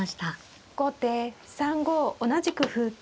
後手３五同じく歩。